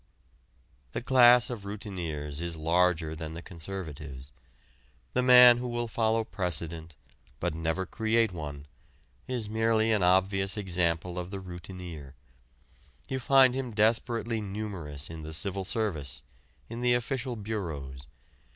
The class of routineers is larger than the conservatives. The man who will follow precedent, but never create one, is merely an obvious example of the routineer. You find him desperately numerous in the civil service, in the official bureaus.